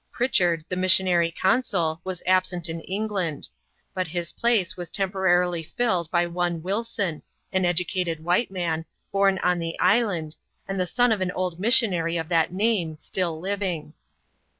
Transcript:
Pritchard, the missionary consul, was absent in England ; but his place was temporarily filled by one Wilson, an educated white man, bom on the island, and the son of an old missionary of that name, still living.